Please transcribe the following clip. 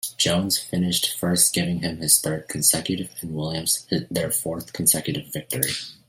Jones finished first giving him his third consecutive and Williams their fourth consecutive victory.